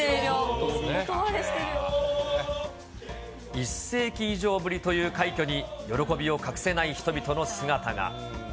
１世紀以上ぶりという快挙に喜びを隠せない人々の姿が。